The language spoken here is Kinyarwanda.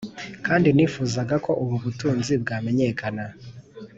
kandi nifuzaga ko ubu butunzi bwamenyekana,